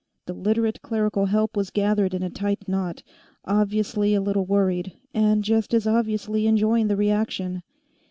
The Literate clerical help was gathered in a tight knot, obviously a little worried, and just as obviously enjoying the reaction.